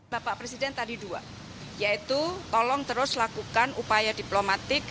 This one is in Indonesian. bapak presiden tadi dua yaitu tolong terus lakukan upaya diplomatik